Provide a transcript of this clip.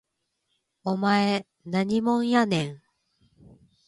お前何もんやねん